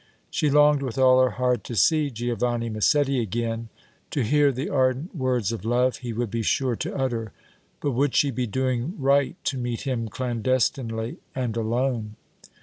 She longed with all her heart to see Giovanni Massetti again, to hear the ardent words of love he would be sure to utter, but would she be doing right to meet him clandestinely and alone?